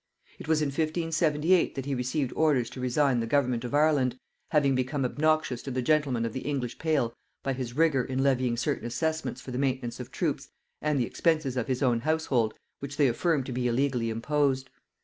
It was in 1578 that he received orders to resign the government of Ireland, having become obnoxious to the gentlemen of the English pale by his rigor in levying certain assessments for the maintenance of troops and the expenses of his own household, which they affirmed to be illegally imposed.